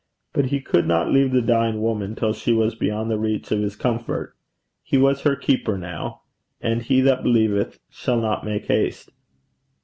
But he could not leave the dying woman till she was beyond the reach of his comfort: he was her keeper now. And 'he that believeth shall not make haste.'